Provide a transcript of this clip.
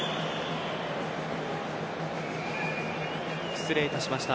失礼いたしました。